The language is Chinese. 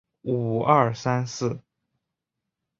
他的余生都在坎布里亚郡度过。